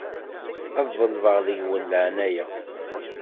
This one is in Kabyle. Ad ḍelbeɣ deg-wen leεnaya.